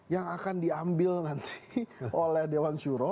yang akan diambil nanti oleh dewan syuro